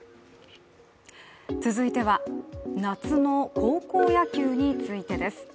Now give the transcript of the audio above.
続いては、夏の高校野球についてです。